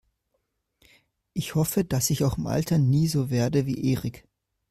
Ich hoffe, dass ich auch im Alter nie so werde wie Erik.